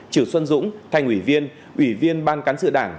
triệu xuân dũng thanh ủy viên ủy viên ban cán sự đảng